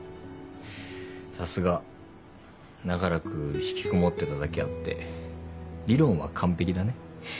さすが長らく引きこもってただけあって理論は完璧だね。